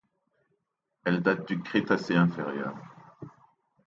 Elle date du Crétacé inférieur.